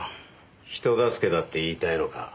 人助けだって言いたいのか。